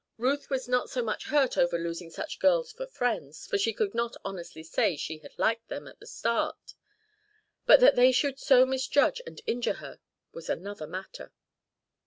Ruth was not so much hurt over losing such girls for friends, for she could not honestly say she had liked them at the start; but that they should so misjudge and injure her was another matter.